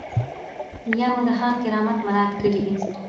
یا مو د هغه کرامت مراعات کړی دی.